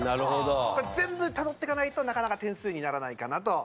全部たどってかないとなかなか点数にならないかなと。